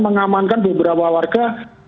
mengamankan beberapa warga